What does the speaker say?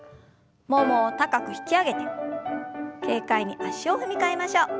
ももを高く引き上げて軽快に足を踏み替えましょう。